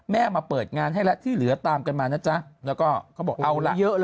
มาเปิดงานให้แล้วที่เหลือตามกันมานะจ๊ะแล้วก็เขาบอกเอาละเยอะเลย